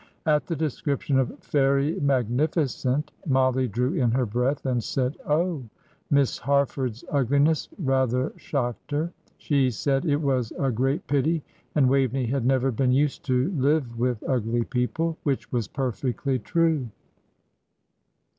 At the description of "Fairy Magnificent" Mollie drew in her breath and said "Oh!" Miss Harford's ugliness rather shocked her; she said "It was a great pity, and Waveney had never been used to live with ugly people" which was perfectly true.